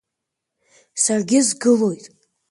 Саргьы сгылоит!